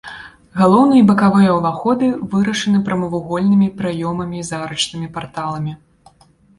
Галоўны і бакавыя ўваходы вырашаны прамавугольнымі праёмамі з арачнымі парталамі.